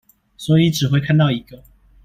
所以只會看到一個